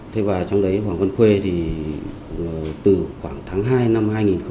thế và trong đấy hoàng văn khê thì từ khoảng tháng hai năm hai nghìn một mươi hai